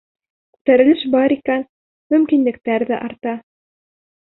Күтәрелеш бар икән, мөмкинлектәр ҙә арта.